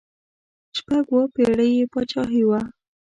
شپږ اووه پړۍ یې بادشاهي وه.